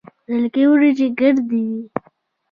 د لکۍ وریجې ګردې وي.